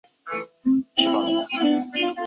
该物种的模式产地在荷兰。